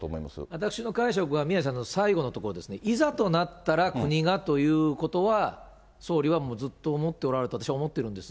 私の解釈は宮根さんの最後のところですね、いざとなったら国がということは、総理はもうずっと思っておられると私は思ってるんです。